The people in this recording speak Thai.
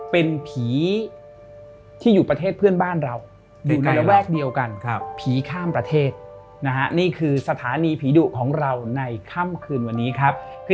เป็นผีที่อยู่ประเทศเพื่อนบ้านเรา